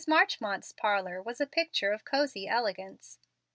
Marchmont's parlor was a picture of cosey elegance.